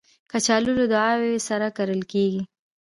کچالو له دعاوو سره کرل کېږي